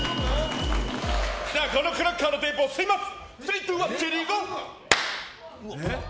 さあ、このクラッカーのテープを吸います。